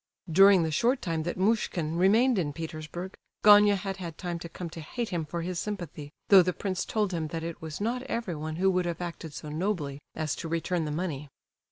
During the short time that Muishkin remained in Petersburg Gania had had time to come to hate him for his sympathy, though the prince told him that it was "not everyone who would have acted so nobly" as to return the money.